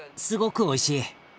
すごくおいしい。